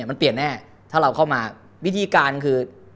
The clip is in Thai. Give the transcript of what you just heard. มันเปลี่ยนแน่ถ้าเราเข้ามาวิธีการคือ